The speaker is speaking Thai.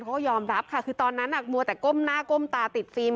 คุณเขายอมรับค่ะคือตอนนั้นอ่ะมัวแต่ก้มหน้าก้มตาติดฟีม